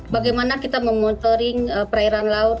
bagaimana kita memonitoring perairan laut